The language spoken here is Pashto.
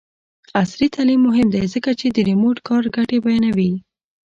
عصري تعلیم مهم دی ځکه چې د ریموټ کار ګټې بیانوي.